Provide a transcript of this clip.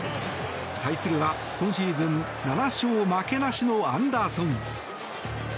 対するは今シーズン７勝負けなしのアンダーソン。